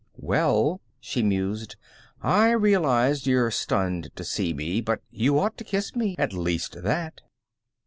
"Well," she mused. "I realize you're stunned to see me, but you ought to kiss me. At least, that."